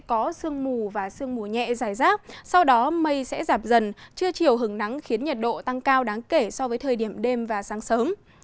chưa chiều hứng nắng khiến nhiệt độ tăng cao đáng kể so với thời điểm đêm và sáng sớm